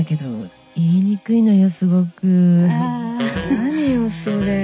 何よそれ。